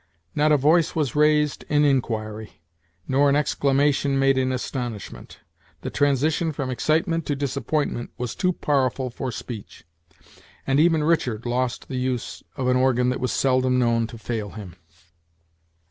Not a voice was raised in inquiry, nor an exclamation made in astonishment. The transition from excitement to disappointment was too powerful for Speech; and even Richard lost the use of an organ that was seldom known to fail him.